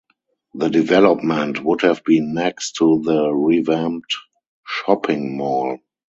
The development would have been next to the revamped shopping mall.